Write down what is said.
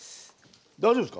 大丈夫ですか？